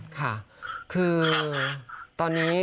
ค่ะคือตอนนี้